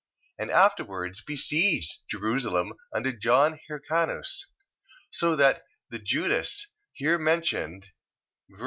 And afterwards besieged Jerusalem under John Hircanus. So that the Judas here mentioned, ver.